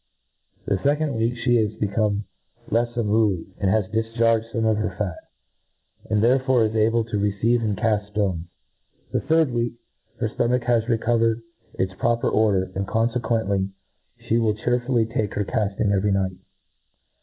The fccond week (he is be come lefs unruly, and has difcharged fome of her fat; and therefore is able to receive and eaft ftones* The third week her ftomach has reco vered its proper order, and confcquently ihe will chearfiiUy take her calling every night.